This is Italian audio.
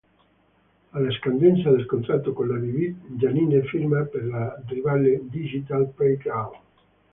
Alla scadenza del contratto con la Vivid, Janine firma per la rivale Digital Playground.